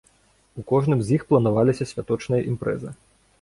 У кожным з іх планаваліся святочныя імпрэзы.